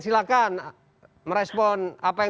silahkan merespon apa yang